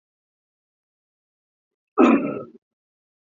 太极殿是紫禁城内廷西六宫之一。